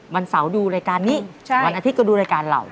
วันเสาร์ดูรายการนี้วันอาทิตย์ก็ดูรายการเรา